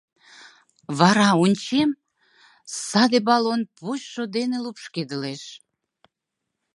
Вара ончем — саде баллон почшо дене лупшкедылеш.